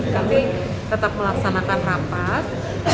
kami tetap melaksanakan rapat